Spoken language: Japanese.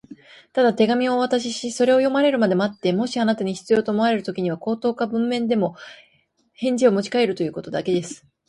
「ただ手紙をお渡しし、それを読まれるまで待って、もしあなたに必要と思われるときには、口頭か文面で返事をもちかえるということだけです」